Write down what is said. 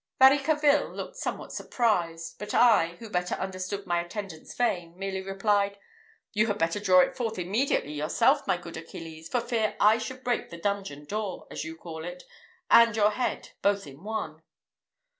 Varicarville looked somewhat surprised; but I, who better understood my attendant's vein, merely replied, "You had better draw it forth immediately yourself, my good Achilles, for fear I should break the dungeon door, as you call it, and your head both in one."